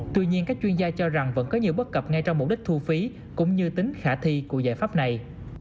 tuy nhiên các chuyên gia cho rằng vẫn có nhiều bất cập ngay trong mục đích thu phí cũng như tính khả thi của giải pháp này